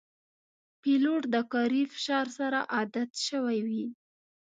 پیلوټ د کاري فشار سره عادت شوی وي.